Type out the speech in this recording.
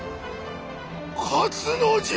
勝つのじゃ！